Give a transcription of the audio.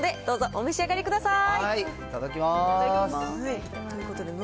お召し上がりください。